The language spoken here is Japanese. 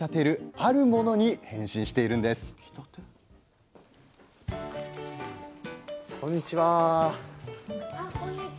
あっこんにちは。